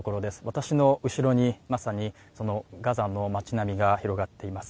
私の後ろにまさにそのガザの街並みが広がっています。